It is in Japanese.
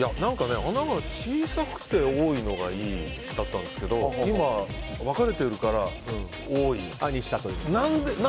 穴が小さくて多いのがいいだったんですけど今、分かれているから多いにしたと。